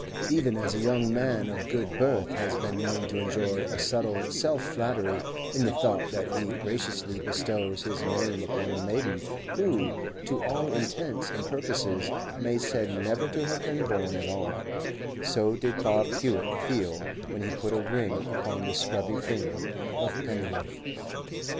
Even as a young man of good birth has been known to enjoy a subtle self flattery in the thought that he graciously bestows his name upon a maiden who, to all intents and purposes, may be said never to have been born at all, so did Bob Hewett feel when he put a ring upon the scrubby finger of Pennyloaf.